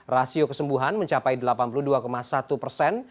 rasio kesembuhan mencapai delapan puluh dua satu persen